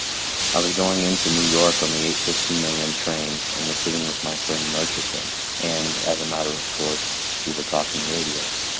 I was going in to New York on the 8:15 A.M. train and was sitting with my friend Murchison and, as a matter of course, we were talking radio.